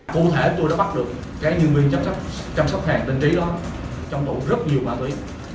cụ thể tôi đã bắt được nhân viên chăm sóc hàng tình trí đó trong tổng rất nhiều ma túy